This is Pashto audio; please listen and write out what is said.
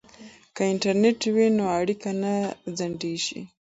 که انټرنیټ وي نو اړیکه نه ځنډیږي.